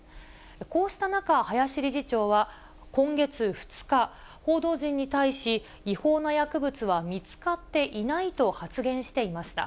こうした中、林理事長は今月２日、報道陣に対し、違法な薬物は見つかっていないと発言していました。